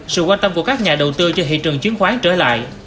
sự quan tâm của các nhà đầu tư cho thị trường chứng khoán trở lại